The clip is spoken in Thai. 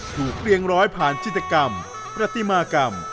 เรียงร้อยผ่านจิตกรรมประติมากรรม